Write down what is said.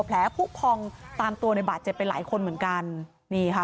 แผลผู้พองตามตัวในบาดเจ็บไปหลายคนเหมือนกันนี่ค่ะ